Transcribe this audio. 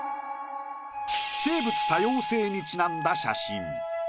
生物多様性にちなんだ写真。